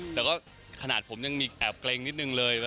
แต่ก็ขนาดผมยังมีแอบเกร็งนิดนึงเลย